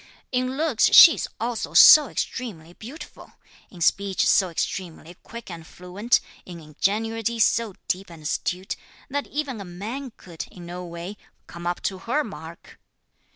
In looks, she is also so extremely beautiful, in speech so extremely quick and fluent, in ingenuity so deep and astute, that even a man could, in no way, come up to her mark."